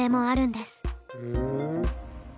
ふん。